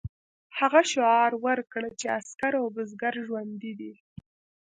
هغه شعار ورکړ چې عسکر او بزګر ژوندي دي.